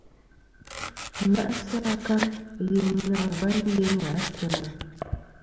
Ŋa'sɨ akaŋ yeyn na va yeyn gha a teyna.